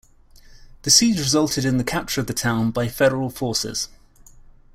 The siege resulted in the capture of the town by Federal forces.